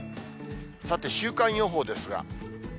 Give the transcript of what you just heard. さて、週間予報ですが。